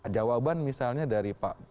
jawaban misalnya dari pak